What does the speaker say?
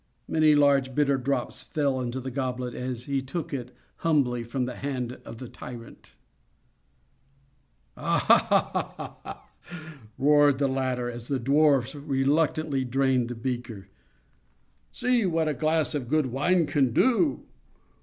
Many large, bitter drops fell into the goblet as he took it, humbly, from the hand of the tyrant. "Ah! ha! ha! ha!" roared the latter, as the dwarf reluctantly drained the beaker. "See what a glass of good wine can do!